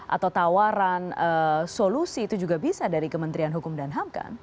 atau tawaran solusi itu juga bisa dari kementerian hukum dan ham kan